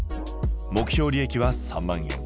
目標利益は３万円。